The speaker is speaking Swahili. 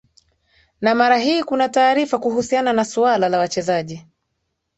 na mara hii kuna taarifa kuhusiana na suala la wachezaji